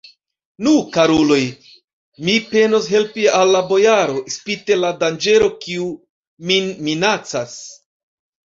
Nu, karuloj, mi penos helpi al la bojaro, spite la danĝero, kiu min minacas.